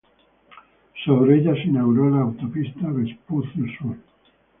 Sobre ella se inauguró la autopista Vespucio Sur.